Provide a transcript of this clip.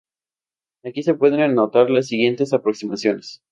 Aquí se pueden notar las siguientes aproximaciones.